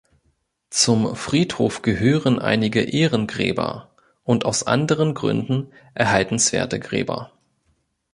Zum Friedhof gehören einige Ehrengräber und aus anderen Gründen erhaltenswerte Gräber.